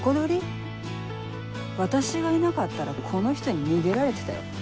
私がいなかったらこの人に逃げられてたよ。